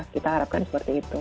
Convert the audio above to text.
kita harapkan seperti itu